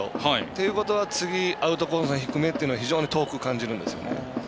ということは次アウトコースの低めというのは非常に遠く感じるんですよね。